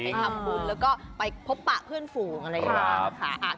ทำบุญแล้วก็ไปพบปะเพื่อนฝูงอะไรอย่างนี้นะคะ